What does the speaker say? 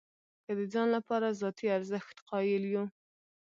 که د ځان لپاره ذاتي ارزښت قایل یو.